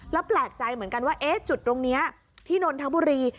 แล้วแปลกใจเหมือนกันว่าจุดตรงนี้ที่นนทบุรี